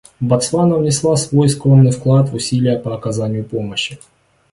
Ботсвана внесла свой скромный вклад в усилия по оказанию помощи.